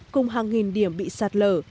cùng hàng nghìn điểm bị sạt lở